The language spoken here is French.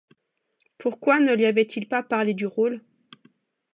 Pourquoi ne lui avait-il pas parlé du rôle?